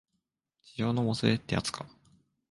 痴情のもつれってやつか